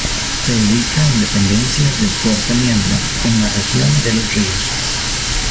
Se ubica en dependencias del Fuerte Niebla, en la Región de Los Ríos.